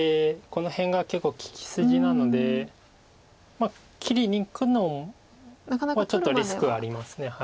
この辺が結構利き筋なので切りにいくのはちょっとリスクはあります。